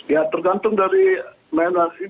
ya tergantung dari menang